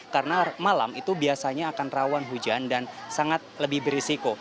karena malam itu biasanya akan rawan hujan dan sangat lebih berisiko